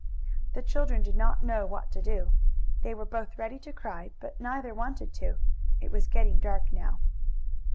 The children did not know what to do. They were both ready to cry, but neither Wanted to. It was getting dark now.